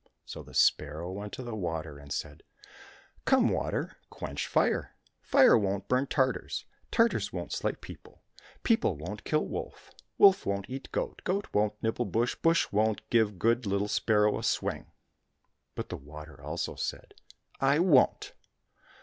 — So the sparrow went to the water and said, " Come water, quench fire, fire won't burn Tartars, Tartars won't slay people, 123 COSSACK FAIRY TALES people won't kill wolf, wolf won't eat goat, goat won't nibble bush, bush won't give good little sparrow a swing." — But the water also said, " I won't